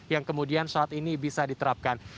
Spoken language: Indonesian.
yang kemudian saat ini bisa diterapkan